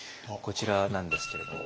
こちらなんですけれど。